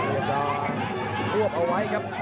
ในการควบเอาไว้ครับ